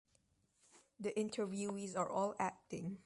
The interviewees are all acting.